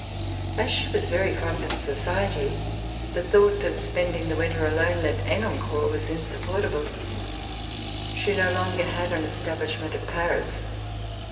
As she was very fond of society, the thought of spending the winter alone at Henencourt was in supportable. She no longer had an establishment at Paris.